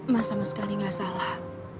emas sama sekali nggak salah